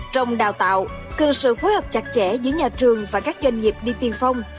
trong đào tạo cần sự phối hợp chặt chẽ giữa nhà trường và các doanh nghiệp đi tiền phong